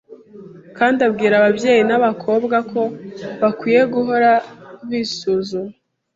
kandi abwira ababyeyi n’abakobwa ko bakwiye guhora bisuzuma